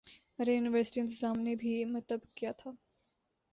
اری یونیورسٹی انتظام نے بھی متب کیا تھا